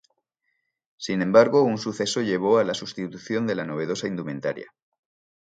Sin embargo, un suceso llevó a la sustitución de la novedosa indumentaria.